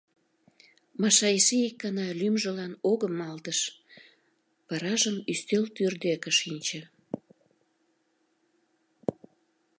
Маша эше ик гана лӱмжылан огым малдыш, варажым ӱстел тӱр деке шинче.